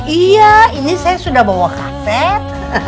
iya ini saya sudah bawa karet